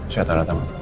saya tarah tangan